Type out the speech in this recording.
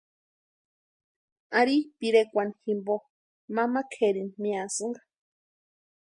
Ari pirekwani jimpo mama kʼerini miasïnka.